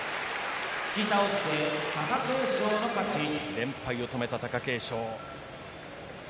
連敗を止めた貴景勝。